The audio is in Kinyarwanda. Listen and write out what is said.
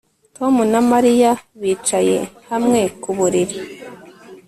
Tom na Mariya bicaye hamwe ku buriri